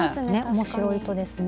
面白い糸ですね。